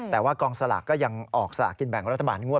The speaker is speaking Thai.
แต่ว่ากองสลากก็ยังออกสลากกินแบ่งรัฐบาลงวด